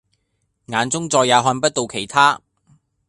眼中再也看不到其他